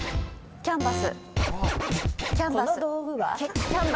キャンバス！